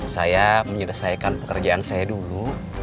saya menyelesaikan pekerjaan saya dulu